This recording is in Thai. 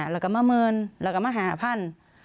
ละเมือนมาหาพันธุ์